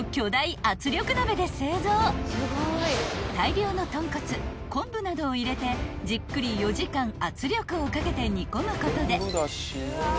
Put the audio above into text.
［大量のとんこつ昆布などを入れてじっくり４時間圧力をかけて煮込むことで］